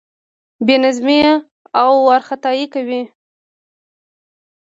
بې نظمي او وارخطايي کوي.